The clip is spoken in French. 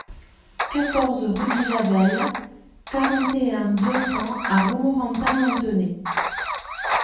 quatorze rue des Javelles, quarante et un, deux cents à Romorantin-Lanthenay